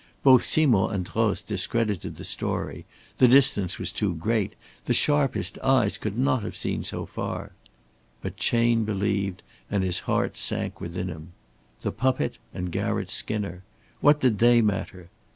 Both Simond and Droz discredited the story. The distance was too great; the sharpest eyes could not have seen so far. But Chayne believed, and his heart sank within him. The puppet and Garratt Skinner what did they matter?